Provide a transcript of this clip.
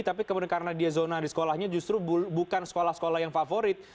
tapi kemudian karena dia zona di sekolahnya justru bukan sekolah sekolah yang favorit